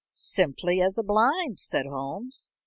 "Simply as a blind," said Holmes.